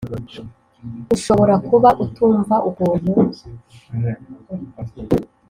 Ushobora kuba utumva ukuntu